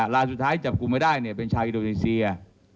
ลายสุดท้ายจับกลุ่มไม่ได้เป็นชาวอินโดนีเซีย